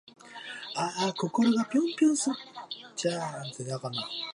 あぁ〜心がぴょんぴょんするんじゃぁ〜